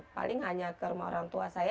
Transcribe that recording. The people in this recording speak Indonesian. paling hanya ke rumah orang tua saya